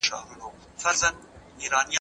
لارښود به خپلي مشورې ورکړې وي.